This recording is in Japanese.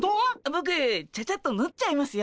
ボクちゃちゃっとぬっちゃいますよ。